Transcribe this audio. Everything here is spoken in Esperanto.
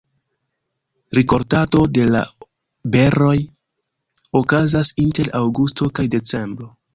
Rikoltado de la beroj okazas inter aŭgusto kaj decembro.